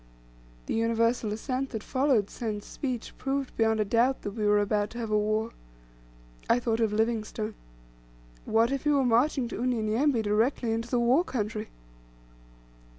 The universal assent that followed Send's speech proved beyond a doubt that we were about to have a war. I thought of Livingstone. What if he were marching to Unyanyembe directly into the war country?